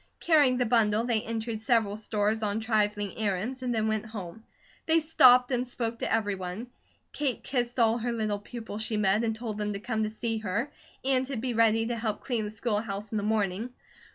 Carrying the bundle, they entered several stores on trifling errands, and then went home. They stopped and spoke to everyone. Kate kissed all her little pupils she met, and told them to come to see her, and to be ready to help clean the schoolhouse in the morning.